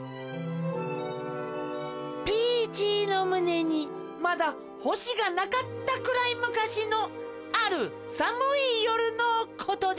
ピーチーのむねにまだほしがなかったくらいむかしのあるさむいよるのことでした。